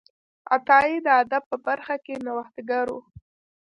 عطایي د ادب په برخه کې نوښتګر و.